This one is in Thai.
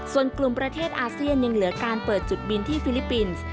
ส่วนกลุ่มประเทศอาเซียนยังเหลือการเปิดจุดบินที่ฟิลิปปินส์